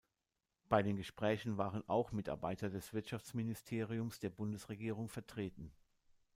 Bei den Gesprächen waren auch Mitarbeiter des Wirtschaftsministeriums der Bundesregierung vertreten.